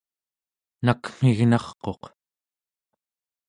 nakmignarquq